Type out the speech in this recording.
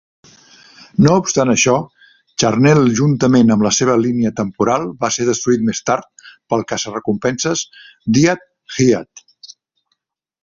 No obstant això, Charnel juntament amb la seva línia temporal va ser destruït més tard pel caça-recompenses Death's Head.